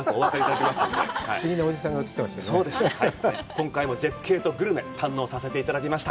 今回も絶景とグルメ、堪能させていただきました。